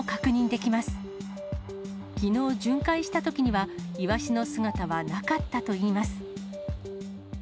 きのう、巡回したときには、イワシの姿はなかったといいます。